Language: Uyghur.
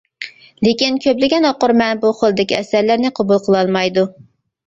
لېكىن كۆپلىگەن ئوقۇرمەن بۇ خىلدىكى ئەسەرلەرنى قوبۇل قىلالمايدۇ.